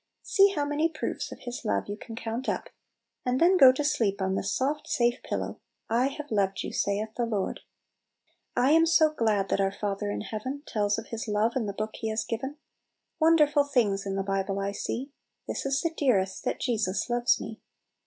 See how many proofs of His love you can count up; and then go to sleep on this soft, safe pillow, "I have loved you, Baith the Lord !" "I am so glad that our Father in heaven Tells of His love in the book He has given, Wonderful things in the Bible I see; This is the dearest, that Jesus loves me.